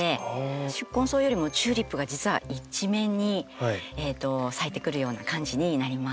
宿根草よりもチューリップが実は一面に咲いてくるような感じになります。